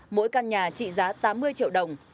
mỗi căn nhà trị giá tám mươi triệu đồng